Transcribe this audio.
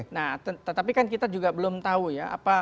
nah tetapi kan kita juga belum tahu ya